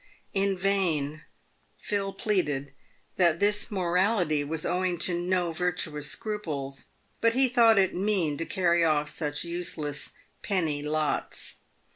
In vain Phil pleaded that this morality was owing to no virtuous scruples, but he thought it mean to carry off such useless " penny lots."